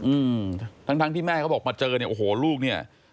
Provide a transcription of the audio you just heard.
อืมทั้งทั้งที่แม่เขาบอกมาเจอเนี่ยโอ้โหลูกเนี่ย